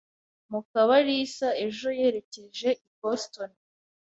Mukabarisa ejo yerekeje i Boston.